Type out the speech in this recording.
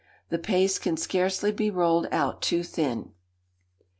The paste can scarcely be rolled out too thin.